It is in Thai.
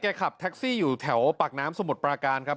ขับแท็กซี่อยู่แถวปากน้ำสมุทรปราการครับ